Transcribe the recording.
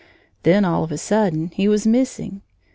Then all of a sudden, he was missing.